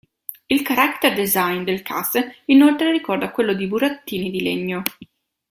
Il character design del cast inoltre ricorda quello di burattini di legno.